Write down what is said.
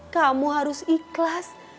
kamu harus ikhlas